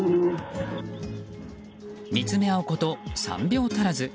見つめあうこと３秒足らず。